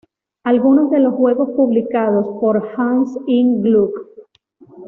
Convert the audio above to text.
Algunos de los juegos publicados por Hans im Glück